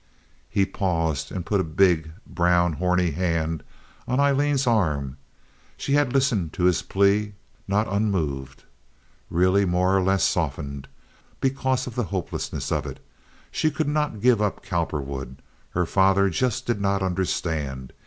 He paused and put a big, brown, horny hand on Aileen's arm. She had listened to his plea not unmoved—really more or less softened—because of the hopelessness of it. She could not give up Cowperwood. Her father just did not understand.